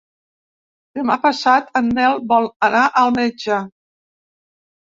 Demà passat en Nel vol anar al metge.